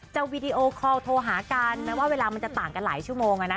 วีดีโอคอลโทรหากันแม้ว่าเวลามันจะต่างกันหลายชั่วโมง